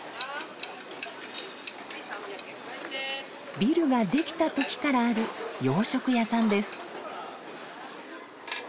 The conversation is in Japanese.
ビルが出来たときからある洋食屋さんです。